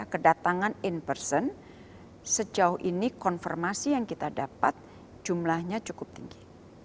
kedatangan in person sejauh ini konfirmasi yang kita dapat jumlahnya cukup tinggi